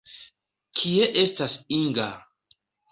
Kie estas Inga?